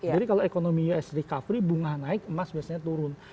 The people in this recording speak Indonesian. jadi kalau ekonomi us recovery bunga naik emas biasanya turun